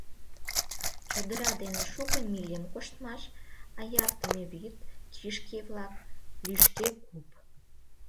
Чодыра дене шуко мильым коштмаш, аяртыме вӱд, кишке-влак, лӱшке куп...